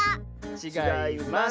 ちがいます。